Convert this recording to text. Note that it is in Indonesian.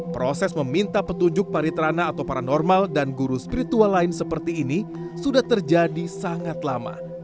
proses meminta petunjuk paritrana atau paranormal dan guru spiritual lain seperti ini sudah terjadi sangat lama